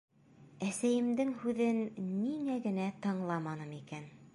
— Әсәйемдең һүҙен ниңә генә тыңламаным икән?